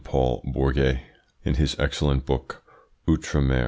Paul Bourget in his excellent book, "Outre Mer."